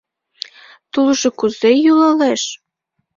Тулжо кузе йӱлалеш?